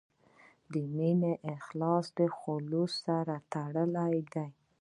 د مینې ارزښت د خلوص سره تړلی دی.